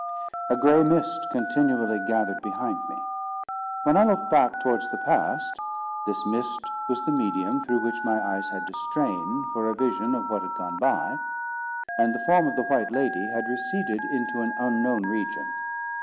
A gray mist continually gathered behind me. When I looked back towards the past, this mist was the medium through which my eyes had to strain for a vision of what had gone by; and the form of the white lady had receded into an unknown region.